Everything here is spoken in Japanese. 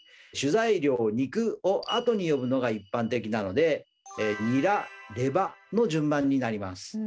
材料肉を後に呼ぶのが一般的なので「ニラ」「レバ」の順番になります。